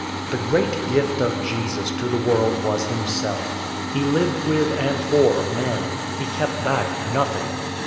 The great gift of Jesus to the world was himself. He lived with and for men. He kept back nothing.